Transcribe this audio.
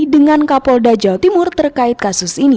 dengan kapolda jawa timur terkait kasus ini